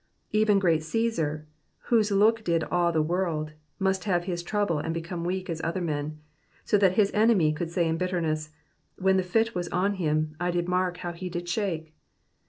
Even great Caesar, whose look did awe the world, must have his trouble and become weak as other men ; so that his enemy could say in bitterness, when the fit was on him, I did mark how he did shake."